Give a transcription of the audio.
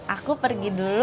aku pergi dulu